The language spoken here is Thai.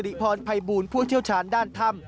ริพรภัยบูลผู้เชี่ยวชาญด้านถ้ำ